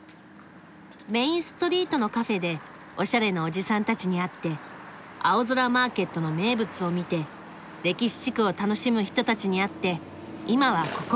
メインストリートのカフェでおしゃれなおじさんたちに会って青空マーケットの名物を見て歴史地区を楽しむ人たちに会って今はここ。